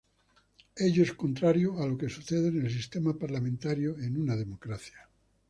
Ello es contrario a lo que sucede en el sistema parlamentario en una democracia.